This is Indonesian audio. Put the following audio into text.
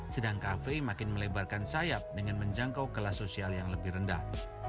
sedang kafe makin melebarkan sayap dengan menjangkau kelas sosial yang lebih rendah